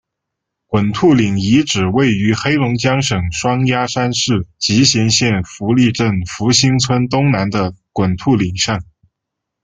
滚兔岭遗址位于黑龙江省双鸭山市集贤县福利镇福兴村东南的滚兔岭上。